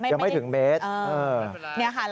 ยังไม่ถึงเมตร